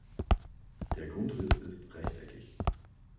Der Grundriss ist rechteckig.